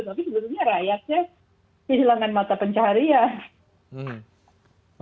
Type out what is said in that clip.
tapi sebetulnya rakyatnya kehilangan mata pencaharian